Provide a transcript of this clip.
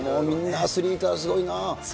もうみんなアスリートはすごいな。